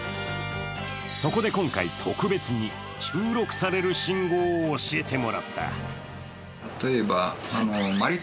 そこで今回、特別に収録される新語を教えてもらった。